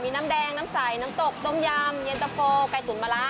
น้ำแดงน้ำใสน้ำตกต้มยำเย็นตะโฟไก่ตุ๋นมะละ